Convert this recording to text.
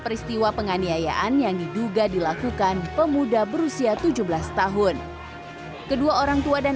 peristiwa penganiayaan yang diduga dilakukan pemuda berusia tujuh belas tahun kedua orang tua dan